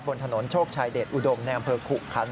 บนถนนโชคชายเดชอุดมแนวเผลอขุขันต์